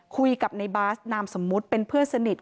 คุยกับในบาสนามสมมุติเป็นเพื่อนสนิท